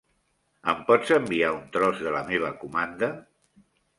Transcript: Em pots enviar un tros de la meva comanda?